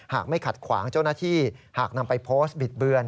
ไม่ขัดขวางเจ้าหน้าที่หากนำไปโพสต์บิดเบือน